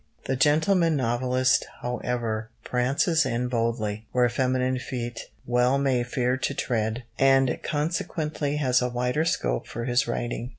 The gentleman novelist, however, prances in boldly, where feminine feet well may fear to tread, and consequently has a wider scope for his writing.